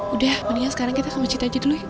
udah mendingan sekarang kita ke masjid aja dulu